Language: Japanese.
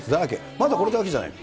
まだこれだけじゃない。